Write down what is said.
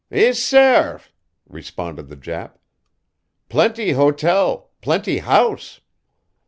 "Ees, sair!" responded the Jap. "Plenty hotel plenty house.